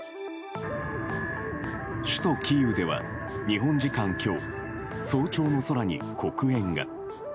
首都キーウでは、日本時間今日早朝の空に黒煙が。